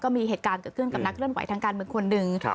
มีเหตุการณ์เกิดขึ้นกับนักเคลื่อนไหวทางการเมืองคนหนึ่ง